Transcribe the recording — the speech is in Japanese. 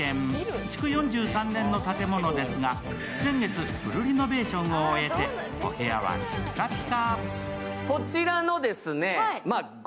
築４３年の建物ですが、先月フルリノベーションを終えてお部屋はピッカピカ。